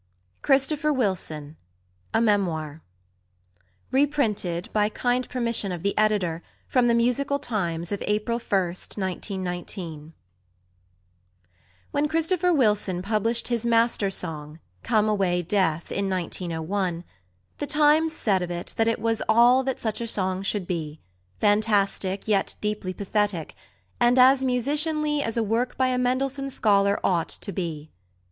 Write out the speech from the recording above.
...... 167 {vii} CHRISTOPHER WILSON A MEMOIR (Reprinted, by kind permission of the Editor, from The Musical Times of April 1, 1919) When Christopher Wilson published his master song, "Come away, Death," in 1901, The Times said of it that it was "all that such a song should be fantastic, yet deeply pathetic, and as musicianly as a work by a Mendelssohn scholar ought to be."